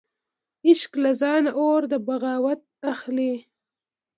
عشق له ځانه اور د بغاوت اخلي